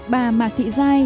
bà mạc thị giai